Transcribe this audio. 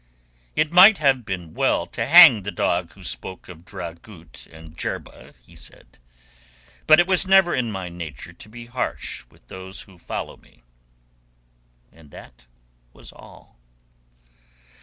"It might have been well to hang the dog who spoke of Dragut and Jerba," he said. "But it was never in my nature to be harsh with those who follow me." And that was all.